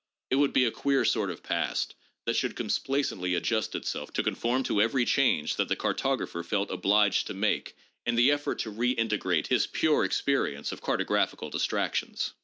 It would be a queer sort of a past that should complaisantly adjust itself to conform to every change that the cartographer felt obliged to make in the effort to redintegrate his pure experience of carto graphical distractions.